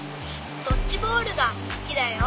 ドッジボールがすきだよ。